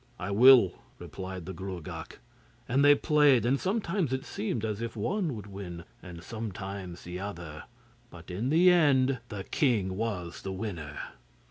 'I will,' replied the Gruagach, and they played, and sometimes it seemed as if one would win, and sometimes the other, but in the end the king was the winner.